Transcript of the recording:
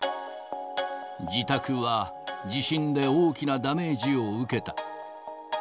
自宅は地震で大きなダメージを受けた。